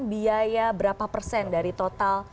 biaya berapa persen dari total